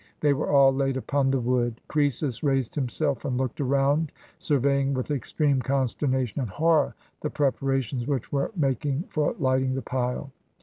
They were all laid upon the wood. Croesus raised himself and looked around, surveying with extreme consternation and horror the preparations which were making for lighting the pile.